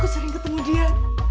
aku sering ketemu dia